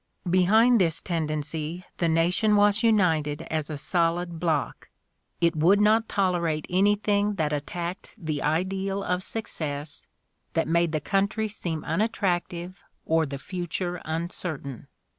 Behind this tendency the nation was united as a solid block : it would not tolerate anything that attacked the ideal of success, that made the country seem unattrac tive or the future uncertain.